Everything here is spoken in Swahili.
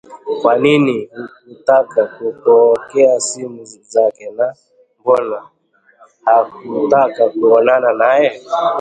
kwa nini hakutaka kupokea simu zake na mbona hakutaka kuonana naye